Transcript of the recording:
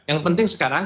yang penting sekarang